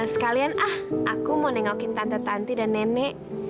sekalian ah aku mau nengokin tante tante dan nenek